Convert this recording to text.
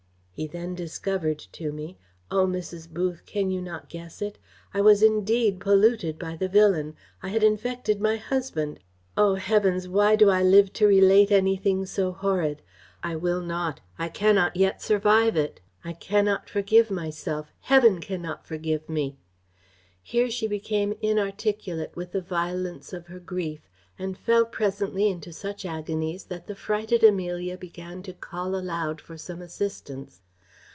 He then discovered to me O Mrs. Booth! can you not guess it? I was indeed polluted by the villain I had infected my husband. O heavens! why do I live to relate anything so horrid I will not, I cannot yet survive it. I cannot forgive myself. Heaven cannot forgive me!" Here she became inarticulate with the violence of her grief, and fell presently into such agonies, that the frighted Amelia began to call aloud for some assistance.